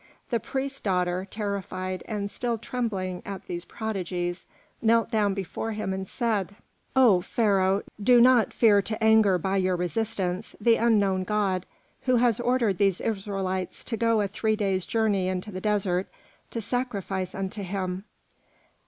The priest's daughter, terrified and still trembling at these prodigies, knelt down before him and said: "O Pharaoh, do you not fear to anger by your resistance the unknown god who has ordered these Israelites to go a three days' journey into the desert to sacrifice unto him?